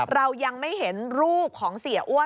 เรายังไม่เห็นรูปของเสียอ้วน